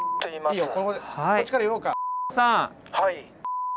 いいよ